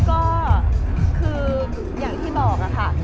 ก็คืออย่างที่บอกค่ะ